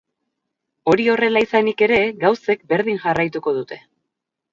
Hori horrela izanik ere, gauzek berdin jarraituko dute.